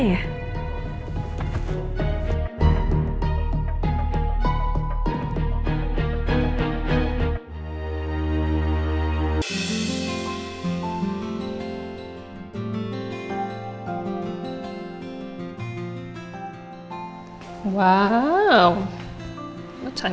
kaya kep personajes wl